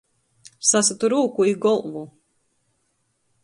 Sasytu rūku i golvu.